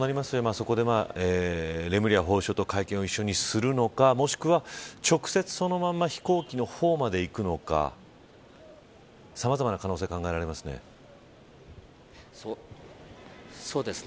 そうなると、そこでレムリヤ法相と会見を一緒にするのかもしくは直接そのまま飛行機の方まで行くのかさまざまな可能性そうですね。